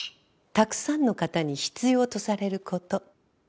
たくさんの方に必要とされる事。